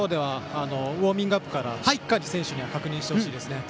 ウォーミングアップからしっかり確認してほしいです。